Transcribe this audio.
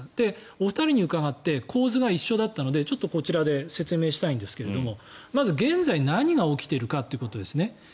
お二人に伺って構図が一緒だったのでちょっとこちらで説明したいんですがまず、現在何が起きているかということ。